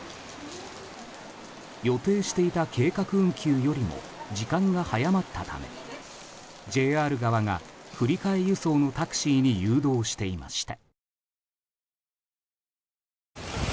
予定していた計画運休よりも時間が早まったためＪＲ側が振り替え輸送のタクシーに誘導していました。